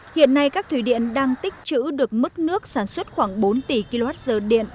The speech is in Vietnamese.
hiện nay các thủy điện đang tích chữ được mức nước sản xuất khoảng bốn tỷ kwh điện